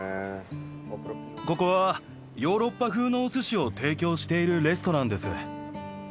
ここはヨーロッパ風のお寿司を提供しているレストランです